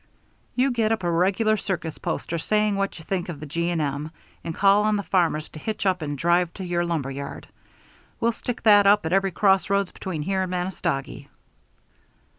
"You get up a regular circus poster saying what you think of the G. & M., and call on the farmers to hitch up and drive to your lumber yard. We'll stick that up at every crossroads between here and Manistogee."